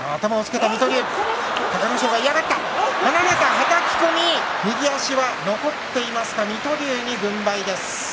はたき込み右足、残っていますが水戸龍に軍配です。